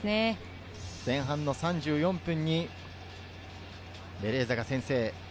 前半３４分にベレーザが先制。